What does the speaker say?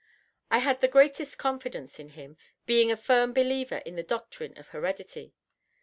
I had the greatest confidence in him, being a firm believer in the doctrine of heredity.